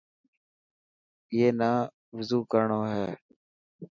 اي نا وضو ڪرڻو هي.